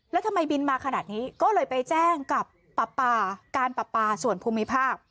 แล้วทำไมบินมาขนาดนี้ก็เลยไปแจ้งกับปาการปรับปลาส่วนภูมิภาค